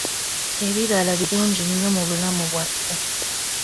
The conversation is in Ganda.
Ebibala birungi nnyo mu bulamu bwaffe.